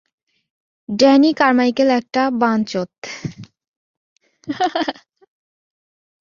Danny Carmichael একটা বানচোত।